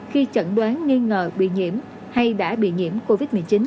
khi chẩn đoán nghi ngờ bị nhiễm hay đã bị nhiễm covid một mươi chín